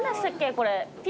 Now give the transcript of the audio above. これ。